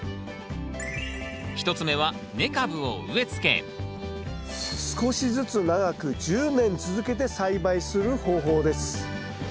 １つ目は根株を植えつけ少しずつ長く１０年続けて栽培する方法です。